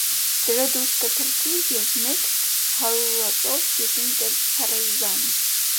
Դրօ դուրս կը թռչի եւ մէկ հարուածով գետին կը փռէ զայն։